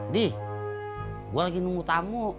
dih gue lagi nunggu tamu